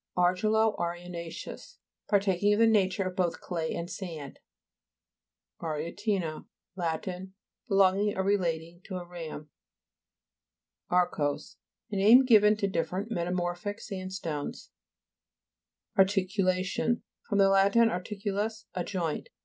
ARGILO ARENA'CEOUS Partaking of the nature of both clay and sand. ARIETI'NA Lat. Belonging or re lating to a ram. ARKOSE A name given to different metamorphic sandstones, (p. 178.) ARTICULA'TION fr. lat. articulus, a joint.